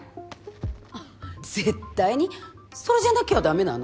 絶対にそれじゃなきゃ駄目なの？